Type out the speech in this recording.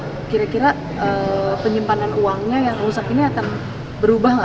setelah ini kejadian tadi kan udah ngobrol juga sama teman teman bank indonesia ya